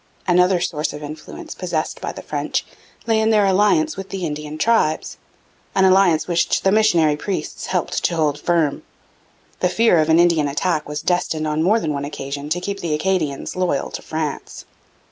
Another source of influence possessed by the French lay in their alliance with the Indian tribes, an alliance which the missionary priests helped to hold firm. The fear of an Indian attack was destined on more than one occasion to keep the Acadians loyal to France.